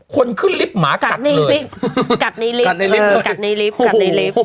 คนขึ้นลิฟต์หมากัดเลยกัดในลิฟต์เลย